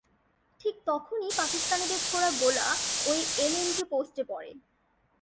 ঠিক তখনই পাকিস্তানিদের ছোড়া গোলা ওই এলএমজি পোস্টে পড়ে।